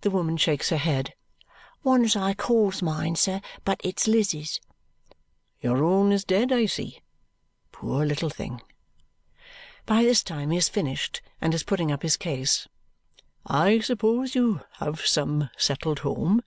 The woman shakes her head. "One as I calls mine, sir, but it's Liz's." "Your own is dead. I see! Poor little thing!" By this time he has finished and is putting up his case. "I suppose you have some settled home.